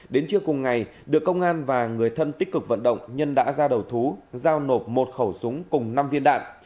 đến trưa cùng ngày được công an và người thân tích cực vận động nhân đã ra đầu thú giao nộp một khẩu súng cùng năm viên đạn